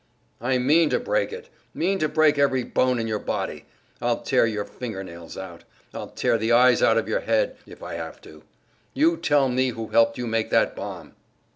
"I mean to break it! mean to break every bone in your body! I'll tear your finger nails out; I'll tear the eyes out of your head, if I have to! You tell me who helped you make that bomb!"